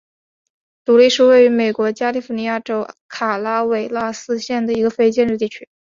独立是位于美国加利福尼亚州卡拉韦拉斯县的一个非建制地区。